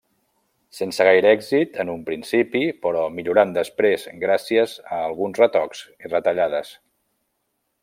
Sense gaire èxit en un principi però millorant després gràcies a alguns retocs i retallades.